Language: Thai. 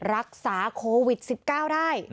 รักษาโควิด๑๙ได้